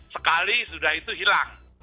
sekali sudah itu hilang